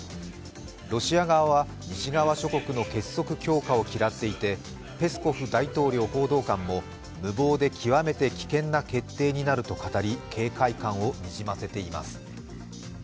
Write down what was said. ロシア側は、西側諸国の結束強化を嫌っていてペスコフ大統領報道官も、無謀で極めて危険な決定になると語り警戒感をにじませています。